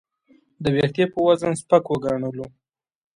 د وېښتې په وزن سپک وګڼلو.